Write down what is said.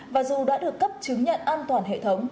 và dù đã được cấp chứng nhận an toàn hệ thống